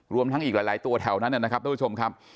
รวมทั้งอีกหลายตัวแถวนั้นนะครับทุกผู้ชมครับ